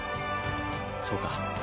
そうか。